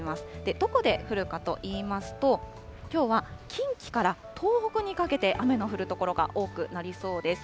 どこで降るかといいますと、きょうは近畿から東北にかけて、雨の降る所が多くなりそうです。